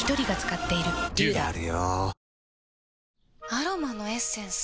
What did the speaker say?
アロマのエッセンス？